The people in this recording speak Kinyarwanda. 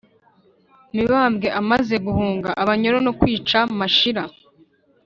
mibambwe i amaze guhunga abanyoro no kwica mashira